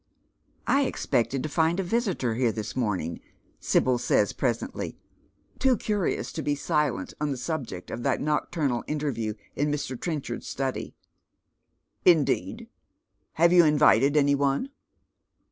" I expected to find a visitor here this morning," Sibyl says presently, too curious to be silent on the subject of that nocturnal interview in Mr. Trenchard's study. " Indeed I Have you invited any one